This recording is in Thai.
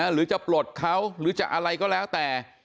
หรือจะปลดเขาหรือจะอะไรก็แล้วแต่